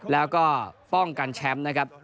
แล้วก็ป้องกันแชมป์นะครับ